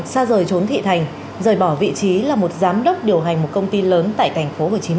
xa rời trốn thị thành rời bỏ vị trí là một giám đốc điều hành một công ty lớn tại tp hcm cách đây gần chín năm